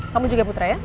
kamu juga putra ya